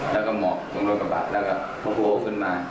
แล้วก็เหมาะตรงที่ขับบัตรแล้วกระโคพลวงมา